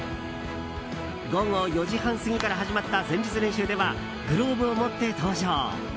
午後４時半過ぎから始まった前日練習ではグローブを持って登場。